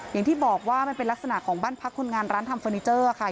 อย่างที่บอกว่ามันเป็นลักษณะของบ้านพักคนงานร้านทำเฟอร์นิเจอร์ค่ะ